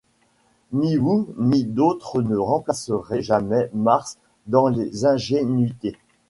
Ni vous ni d'autres ne remplacerez jamais Mars dans les ingénuités.